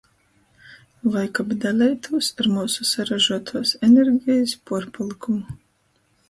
Voi kab daleitūs ar myusu saražotuos energejis puorpalykumu.